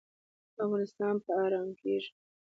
افغانستان به ارام کیږي